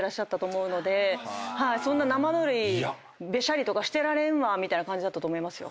そんな生ぬるいべしゃりとかしてられんわみたいな感じだったと思いますよ。